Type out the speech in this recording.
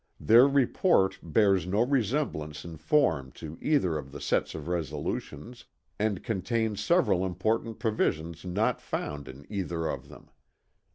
Their Report bears no resemblance in form to either of the sets of resolutions, and contains several important provisions not found in either of them.